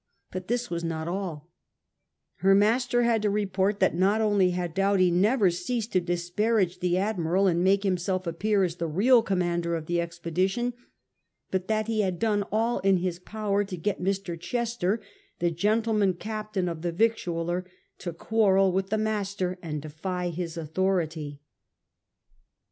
But this was not alL Her master had to report that not only had Doughty never ceased to disparage the Admiral and make himself appear as the real commander of the expedition, but that he had done all in his power to get Mr. Chester, the gentle man captain of the victualler, to quarrel with the master and defy his authority.